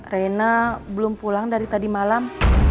reina belum pulang dari tadi malam